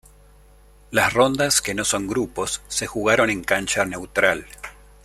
Las rondas que no son grupos se jugaron en cancha neutral.